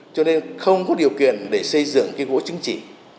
cho nên không có điều kiện để xây dựng cái gỗ chứng chỉ